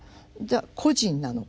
個人なのか。